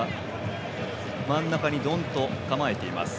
真ん中に、どんと構えています